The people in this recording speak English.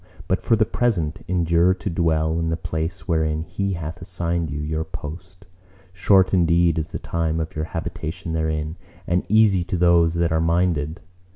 But for the present, endure to dwell in the place wherein He hath assigned you your post. Short indeed is the time of your habitation therein, and easy to those that are minded.